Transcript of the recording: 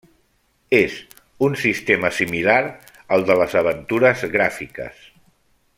És un sistema similar al de les aventures gràfiques.